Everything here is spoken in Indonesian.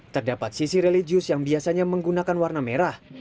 terdapat sisi religius yang biasanya menggunakan warna merah